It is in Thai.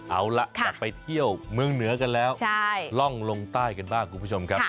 เอาล่ะจากไปเที่ยวเมืองเหนือกันแล้วล่องลงใต้กันบ้างคุณผู้ชมครับ